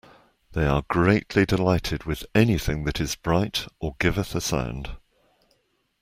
They are greatly delighted with anything that is bright or giveth a sound.